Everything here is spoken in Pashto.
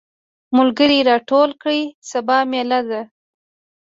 ملګري راټول کړه سبا ميله ده.